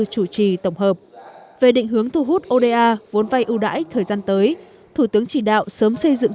chủ trì tổng hợp về định hướng thu hút oda vốn vay ưu đãi thời gian tới thủ tướng chỉ đạo sớm xây dựng